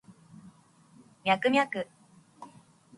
ミャクミャク